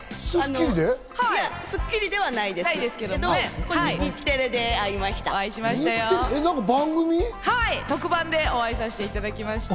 『スッキリ』ではないですけど日テレでお会いしました。